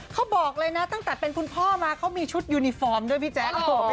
เขาบอกเลยนะตั้งแต่เป็นคุณพ่อมาเขามีชุดยูนิฟอร์มด้วยพี่แจ๊ค